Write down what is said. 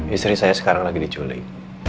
istri saya sekarang lagi diculik